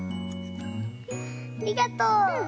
ありがとう。